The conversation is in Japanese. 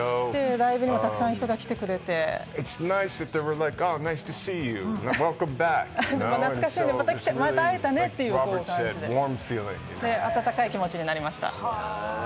ライブにもたくさん人が来てくれて、懐かしいんで、また会えたねって、温かい気持ちになりました。